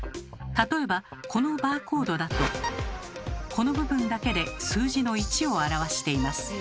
例えばこのバーコードだとこの部分だけで数字の１を表しています。